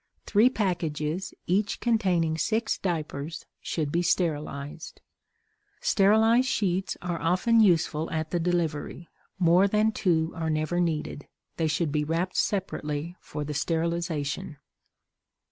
Three packages, each containing six diapers, should be sterilized. Sterilized sheets are often useful at the delivery; more than two are never needed. They should be wrapped separately for the sterilization.